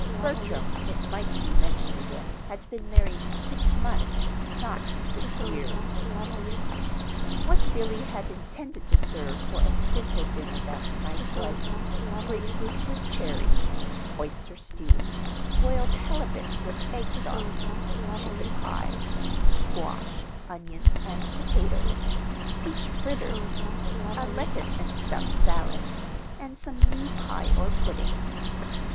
Bertram, it might be mentioned again, had been married six months, not six years. What Billy had intended to serve for a "simple dinner" that night was: grapefruit with cherries, oyster stew, boiled halibut with egg sauce, chicken pie, squash, onions, and potatoes, peach fritters, a "lettuce and stuff" salad, and some new pie or pudding.